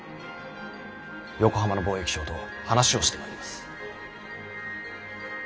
横浜の貿易商と話をしてまいります。